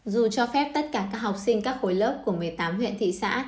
dù cho phép tất cả các học sinh các khối lớp của một mươi tám huyện thị xã